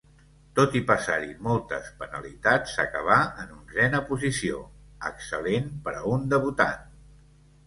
Tot i passar-hi moltes penalitats acabà en onzena posició, excel·lent per a un debutant.